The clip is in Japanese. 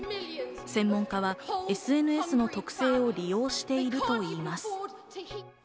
専門家はＳＮＳの特性を利用しているといいます。